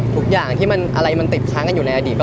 ทุกอย่างที่มันติดค้างอยู่ในอดีต